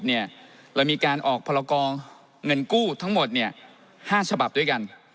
เรามีการออกพรกรเงินกู้ทั้งหมด๕ฉบับด้วยกัน